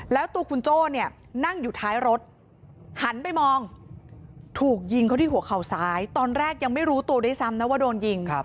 แล้วตัวคุณโจ้เนี่ยนั่งอยู่ท้ายรถหันไปมองถูกยิงเขาที่หัวเข่าซ้ายตอนแรกยังไม่รู้ตัวด้วยซ้ำนะว่าโดนยิง